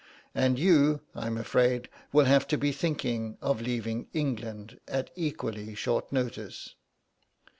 And you, I'm afraid, will have to be thinking of leaving England at equally short notice.